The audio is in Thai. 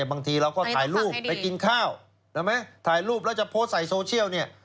บางทีเราก็ถ่ายรูปไปกินข้าวไหมถ่ายรูปแล้วจะโพสต์ใส่โซเชียลเนี่ย